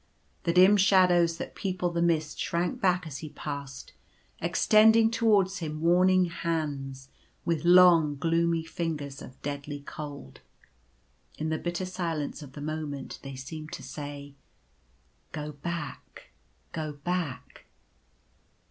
The dim shadows that peopled the mist shrank back as he passed, extending towards him warning hands with long gloomy fingers of deadly cold. In the bitter silence of the moment, they seemed to say :" Go back ! Go back